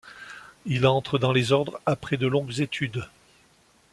Il entre dans les Ordres après de longues études.